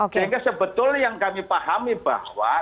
sehingga sebetulnya yang kami pahami bahwa